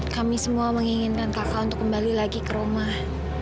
kami semua menginginkan kakak untuk kembali lagi ke rumah